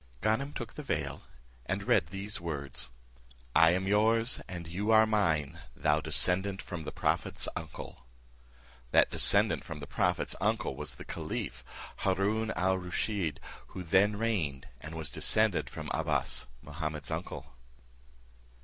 Ganem took the veil, and read these words, "I am yours, and you are mine, thou descendant from the prophet's uncle." That descendant from the prophet's uncle was the caliph Haroon al Rusheed, who then reigned, and was descended from Abbas, Mahummud's uncle.